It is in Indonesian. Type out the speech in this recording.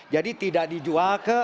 jadi tidak dijual ke pasar